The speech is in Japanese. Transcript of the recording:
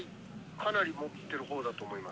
「かなり持ってる方だと思います」